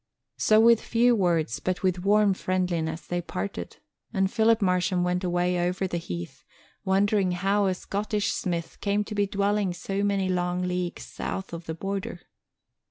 So with few words but with warm friendliness they parted, and Philip Marsham went away over the heath, wondering how a Scottish smith came to be dwelling so many long leagues south of the border.